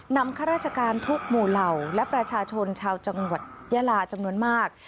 ข้าราชการทุกหมู่เหล่าและประชาชนชาวจังหวัดยาลาจำนวนมาก